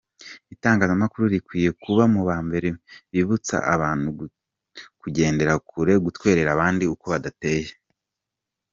Itangazamakuru rikwiye kuba mu ba mbere bibutsa abantu kugendera kure gutwerera abandi uko badateye.